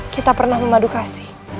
kita pernah memadukasi